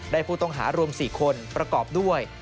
ผู้ต้องหารวม๔คนประกอบด้วย